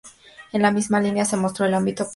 En la misma línea se mostró el ámbito periodístico.